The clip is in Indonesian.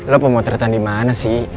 lo mau kereten di mana sih